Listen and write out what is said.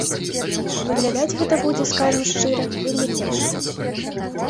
Выглядаць гэта будзе, скажам шчыра, вельмі кепска.